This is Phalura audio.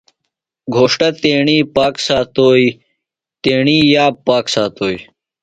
گھوݜٹ تیݨی پاک ساتوئیۡ، تیݨی یاب پاک ساتوئیۡ